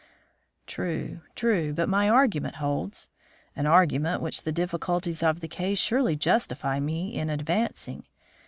"True, true, but my argument holds; an argument which the difficulties of the case surely justify me in advancing.